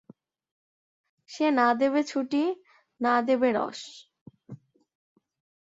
সে না দেবে ছুটি, না দেবে রস!